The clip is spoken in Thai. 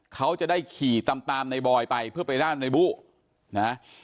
เขาจะได้ขี่ตามในบอยไปเพื่อไปร่างนายบู่นะ